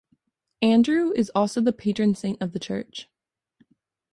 Andrew is also the patron saint of the church.